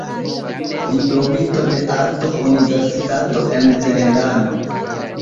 Diplomito de Arto-Universitato en Teherano.